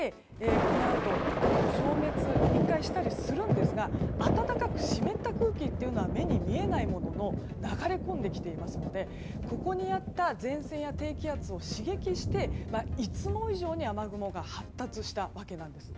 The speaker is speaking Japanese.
このあと、どんどん１回消滅したりするんですが暖かく湿った空気は目に見えないものの流れ込んできていますのでここにあった前線や低気圧を刺激して、いつも以上に雨雲が発達したわけなんです。